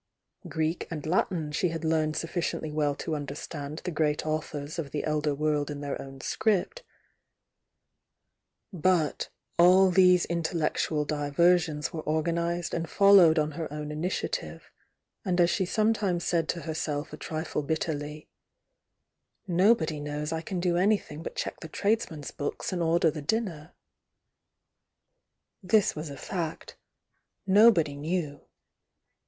Greek and Latin she had learned suflBciently well to understand the great authors of the elder world in their own script, — but all these intellectual diversions were organised and followed on her own initiative, and as she sometimes said to herself a trifle bit terly: THE VOUNG DIANA 21 ''Nobody knows I can do anything but check the tradesmen s books and order the dinner." This was a fact,— nobody knew.